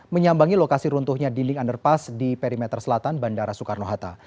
menyambangi lokasi runtuhnya dinding underpass di perimeter selatan bandara soekarno hatta